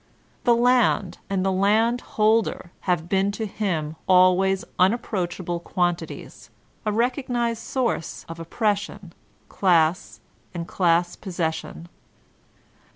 The land and the land holder have been to him always unapproachable quantities, — a recognized source of oppression, class, and class possession.